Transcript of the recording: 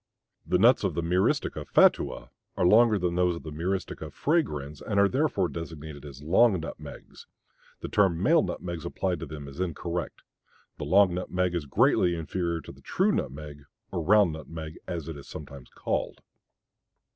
The nuts of M. fatua are longer than those of M. fragrans and are therefore designated as long nutmegs; the term "male nutmegs" applied to them is incorrect. The long nutmeg is greatly inferior to the true nutmeg, or round nutmeg as it is sometimes called.